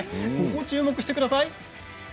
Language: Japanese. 注目してください。